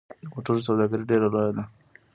د موټرو سوداګري ډیره لویه ده